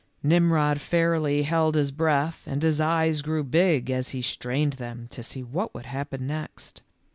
Mmrod fairly held his breath and his eyes grew big as he strained them to see what would happen next.